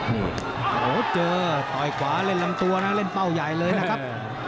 โอ้โหเจอต่อยขวาเล่นลำตัวนะเล่นเป้าใหญ่เลยนะครับ